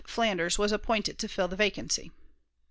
Flanders was appointed to fill the vacancy.